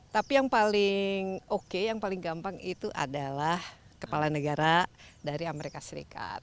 tapi yang paling oke yang paling gampang itu adalah kepala negara dari amerika serikat